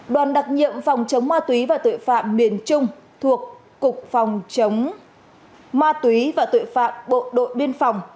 đoàn đặc nhiệm phòng chống ma túy và tội phạm miền trung thuộc cục phòng chống ma túy và tội phạm bộ đội biên phòng